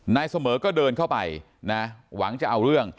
นายเสมอก็เดินเข้าไปนะหวังจะเอาเรื่อง